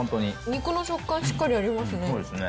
肉の食感、しっかりありますね。